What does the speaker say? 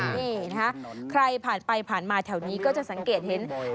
นี่นะคะใครผ่านไปผ่านมาแถวนี้ก็จะสังเกตเห็น